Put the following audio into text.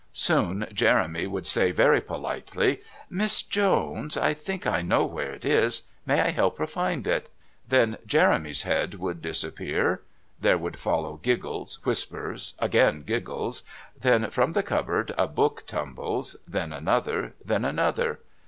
Soon Jeremy would say very politely: "Miss Jones, I think I know where it is. May I help her to find it?" Then Jeremy's head would disappear. There would follow giggles, whispers, again giggles; then from the cupboard a book tumbles, then another, then another.